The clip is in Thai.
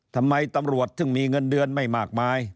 ทำไมตำรวจถึงมีเงินเดือนไม่มากมาย